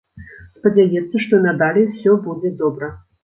Спадзяецца, што і надалей ўсё будзе добра.